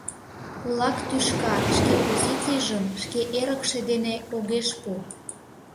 Кулак тӱшка шке позицийжым шке эрыкше дене огеш пу.